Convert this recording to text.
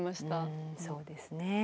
うんそうですね。